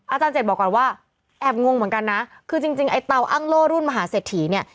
อาจารย์เจ็ดบอกก่อนว่าแอบงงเหมือนกันนะคือจริงไอ้เตาอ้างโล่รุ่นมหาเศรษฐีเนี่ย